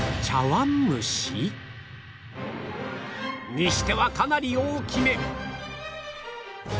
にしてはかなり大きめ